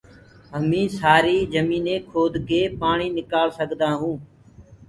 هميٚ سآرآ جميٚن کود ڪي پآڻي نڪآݪ سگدآهونٚ